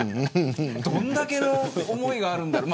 どんだけの思いがあるのか。